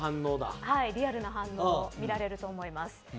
リアルな反応が見られると思います。